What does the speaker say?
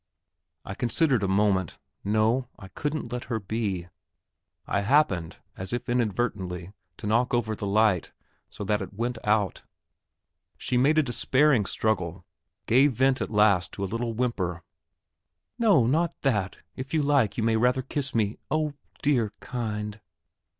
I considered a moment. No, I couldn't let her be.... I happened, as if inadvertently, to knock over the light, so that it went out. She made a despairing struggle gave vent at last to a little whimper. "No, not that! If you like, you may rather kiss me, oh, dear, kind...."